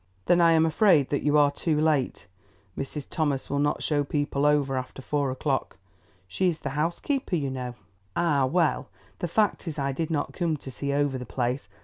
"Then I am afraid that you are too late—Mrs. Thomas will not show people over after four o'clock. She is the housekeeper, you know." "Ah, well, the fact is I did not come to see over the place.